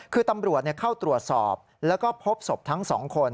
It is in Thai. คือตำรวจเข้าตรวจสอบแล้วก็พบศพทั้งสองคน